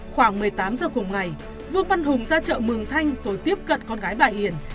khoảng một mươi tám giờ cùng ngày vương văn hùng ra chợ mường thanh rồi tiếp cận con gái bà hiền